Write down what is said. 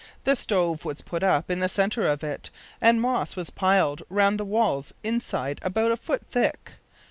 The stove was put up in the centre of it, and moss was piled round the walls inside about a foot thick.